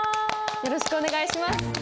よろしくお願いします。